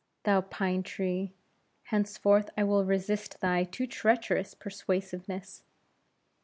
Thou pine tree! henceforth I will resist thy too treacherous persuasiveness.